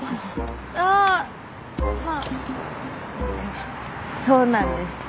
あまあそうなんです。